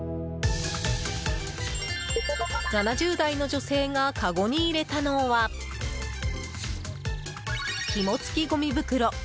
７０代の女性がかごに入れたのはひも付ごみ袋。